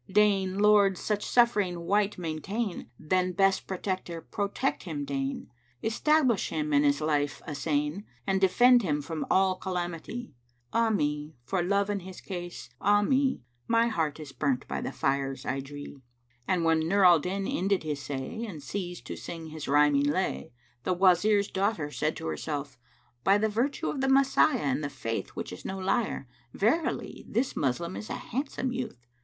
Deign Lord such suffering wight maintain * Then best Protector, protect him deign! Establish him and his life assain * And defend him from all calamity: 'Ah me, for Love and his case, ah me: My heart is burnt by the fires I dree!'" And when Nur al Din ended his say and ceased to sing his rhyming lay, the Wazir's daughter said to herself, "By the virtue of the Messiah and the Faith which is no liar, verily this Moslem is a handsome youth!